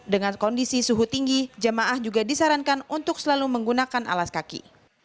dengan kondisi suhu tinggi jemaah juga disarankan untuk selalu menggunakan alas kaki